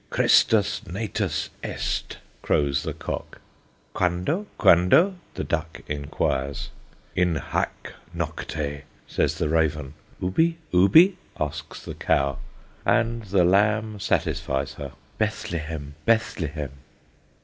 "Christus natus est," crows the cock. "Quando? Quando?" the duck inquires. "In hac nocte," says the raven. "Ubi? Ubi?" asks the cow, and the lamb satisfies her: "Bethlehem, Bethlehem."